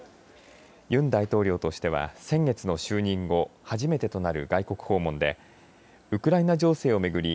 ユン大統領としては先月の就任後初めてとなる外国訪問でウクライナ情勢を巡り